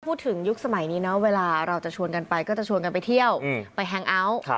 ยุคสมัยนี้นะเวลาเราจะชวนกันไปก็จะชวนกันไปเที่ยวไปแฮงเอาท์